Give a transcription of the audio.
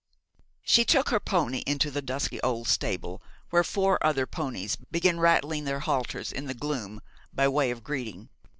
She took her pony into the dusky old stable, where four other ponies began rattling their halters in the gloom, by way of greeting.